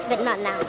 coba alat dulu ya